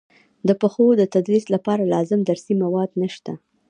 د پښتو د تدریس لپاره لازم درسي مواد نشته.